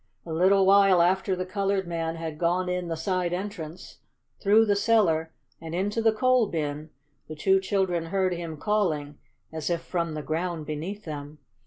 A little while after the colored man had gone in the side entrance, through the cellar and into the coal bin, the two children heard him calling, as if from the ground beneath them.